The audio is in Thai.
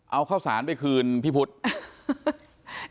เอาข้าวสารไปคืนพี่พุทธ